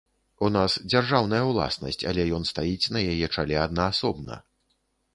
У нас дзяржаўная ўласнасць, але ён стаіць на яе чале аднаасобна.